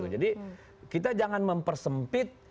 jadi kita jangan mempersempit